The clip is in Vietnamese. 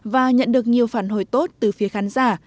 và nhận được nhiều phản hồi tốt từ phía khán giả